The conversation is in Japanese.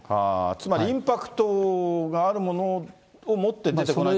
つまりインパクトがあるものを持って出てこないといけない。